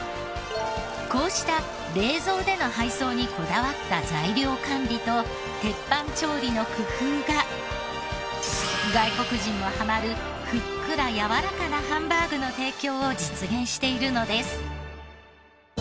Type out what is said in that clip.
こうした冷蔵での配送にこだわった材料管理と鉄板調理の工夫が外国人もハマるふっくらやわらかなハンバーグの提供を実現しているのです。